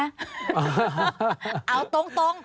เอาตรง